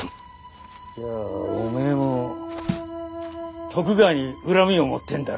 じゃあおめえも徳川に恨みを持ってんだろうな。